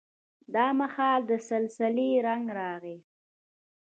دا مهال د سلسلې زنګ راغی.